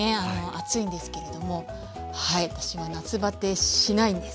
暑いんですけれどもはい私は夏バテしないんです。